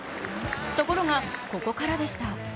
ところが、ここからでした。